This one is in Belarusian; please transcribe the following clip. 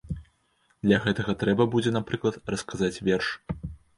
Для гэтага трэба будзе, напрыклад, расказаць верш.